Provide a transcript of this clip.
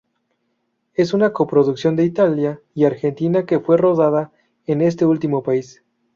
Es una coproducción de Italia y Argentina que fue rodada en este último país.